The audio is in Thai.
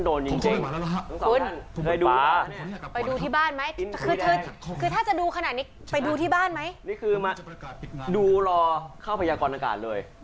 รูปแม่หน้ามหุ้ยแปลว่างฐาน